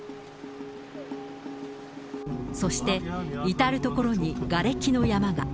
そして、至る所にがれきの山が。